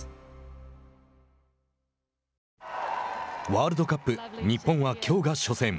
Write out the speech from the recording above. ワールドカップ日本はきょうが初戦。